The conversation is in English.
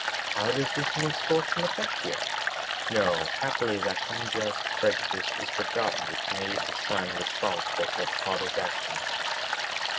How does this misfortune affect you? No, happily that unjust prejudice is forgotten which made the son responsible for the father's actions.